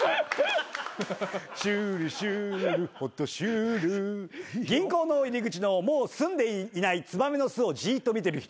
「シュールシュールホトシュール」銀行の入り口のもうすんでいないツバメの巣をじっと見てる人。